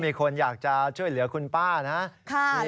มีคนอยากจะช่วยเหลือคุณป้านะ